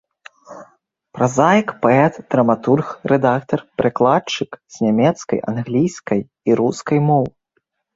Празаік, паэт, драматург, рэдактар, перакладчык з нямецкай, англійскай і рускай моў.